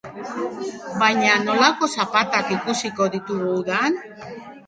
Baina nolako zapatak ikusiko ditugu udan?